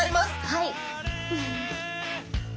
はい。